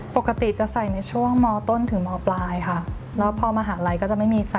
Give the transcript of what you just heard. ปกติจะใส่ในช่วงมต้นถึงมปลายค่ะแล้วพอมหาลัยก็จะไม่มีใส่